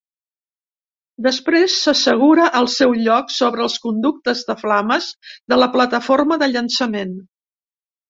Després s'assegura al seu lloc sobre els conductes de flames de la plataforma de llançament.